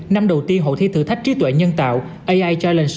hai nghìn hai mươi năm đầu tiên hội thi thử thách trí tuệ nhân tạo ai challenge